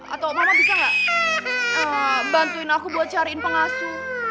atau mama bisa nggak bantuin aku buat cariin pengasuh